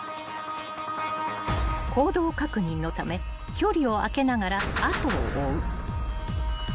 ［行動確認のため距離をあけながら後を追う］